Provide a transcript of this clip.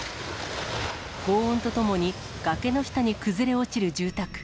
ごう音とともに崖の下に崩れ落ちる住宅。